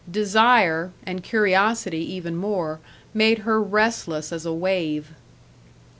Desire, and curiosity even more, made her restless as a wave.